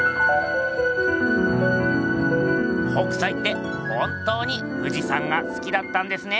北斎って本当に富士山がすきだったんですね。